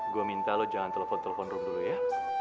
gue minta lo jangan telepon telepon room dulu ya